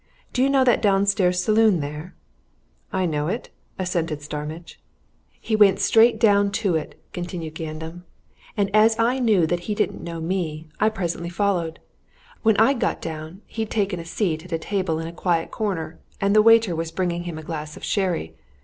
Do you know that downstairs saloon there?" "I know it," assented Starmidge. "He went straight down to it," continued Gandam. "And as I knew that he didn't know me, I presently followed. When I'd got down he'd taken a seat at a table in a quiet corner, and the waiter was bringing him a glass of sherry.